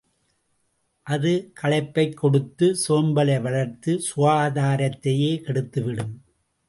அது களைப்பைக் கொடுத்து, சோம்பலை வளர்த்து, சுகாதரத்தையே கெடுத்துவிடும்.